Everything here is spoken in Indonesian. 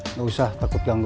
nggak usah takut ganggu